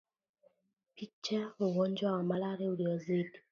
Picha Ugonjwa wa malale uliozidi